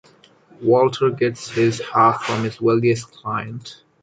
Walter gets his half from his wealthiest client.